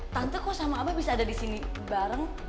tante kok sama abah bisa ada disini bareng